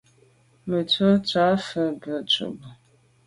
Me tswe’ tsha mfe tu bwe.